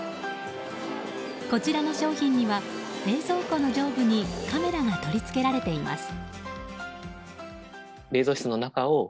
こちらの商品には冷蔵庫の上部にカメラが取り付けられています。